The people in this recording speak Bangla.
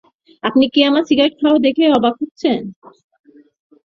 আপনি কি আমার সিগারেট খাওয়া দেখে অবাক হচ্ছেন?